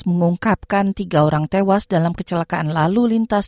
mengungkapkan tiga orang tewas dalam kecelakaan lalu lintas